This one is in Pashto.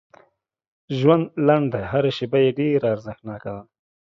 ژوند لنډ دی هر شیبه یې ډېره ارزښتناکه ده